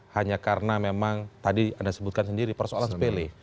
hanya karena memang tadi anda sebutkan sendiri persoalan sepele